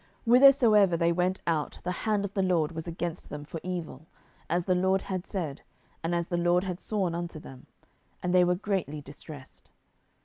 07:002:015 Whithersoever they went out, the hand of the LORD was against them for evil, as the LORD had said, and as the LORD had sworn unto them: and they were greatly distressed.